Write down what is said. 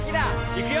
いくよ！